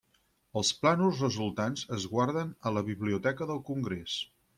Els plànols resultants es guarden a la Biblioteca del Congrés.